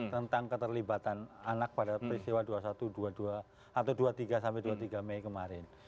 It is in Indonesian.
tentang keterlibatan anak pada peristiwa dua puluh satu dua puluh dua atau dua puluh tiga sampai dua puluh tiga mei kemarin